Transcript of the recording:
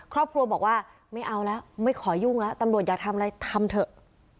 ครอบครัวบอกว่าไม่เอาแล้วไม่ขอยุ่งแล้วตำรวจอยากทำอะไรทำเถอะ